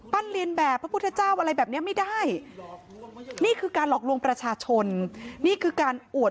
เรียนแบบพระพุทธเจ้าอะไรแบบนี้ไม่ได้นี่คือการหลอกลวงประชาชนนี่คือการอวด